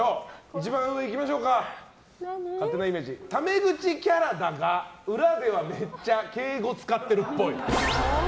一番上、タメ口キャラだが裏ではめっちゃ敬語使ってるっぽい。